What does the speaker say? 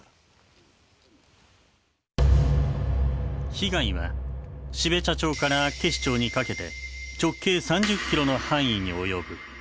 被害は標茶町から厚岸町にかけて直径３０キロの範囲に及ぶ。